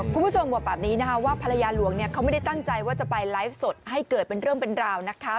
คุณผู้ชมบอกแบบนี้นะคะว่าภรรยาหลวงเนี่ยเขาไม่ได้ตั้งใจว่าจะไปไลฟ์สดให้เกิดเป็นเรื่องเป็นราวนะคะ